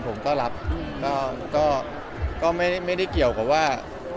ผมก็รับก็ไม่ได้เกี่ยวกับว่า